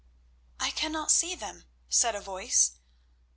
"I cannot see them," said a voice.